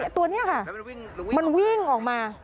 ตัวนี้ค่ะมันวิ่งออกมา